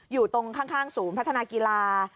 อยู่ตรงข้างศูนย์พัฒนากีฬา